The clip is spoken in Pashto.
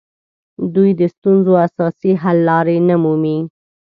دوی د ستونزو اساسي حل لارې نه مومي